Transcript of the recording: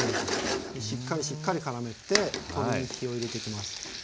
しっかりしっかりからめて鶏に火を入れていきます。